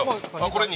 これに？